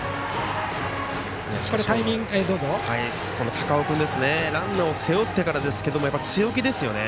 高尾君ですがランナーを背負ってからですけど強気ですよね。